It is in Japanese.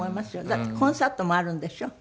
だってコンサートもあるんでしょ？